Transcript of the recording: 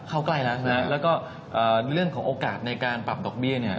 เข้าใกล้แล้วนะแล้วก็เรื่องของโอกาสในการปรับดอกเบี้ยเนี่ย